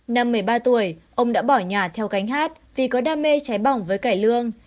năm một mươi ba tuổi ông đã bỏ nhà theo cánh hát vì có đam mê cháy bỏng với cải lương